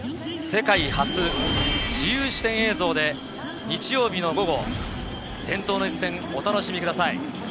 世界初、自由視点映像で日曜日の午後、伝統の一戦、お楽しみください。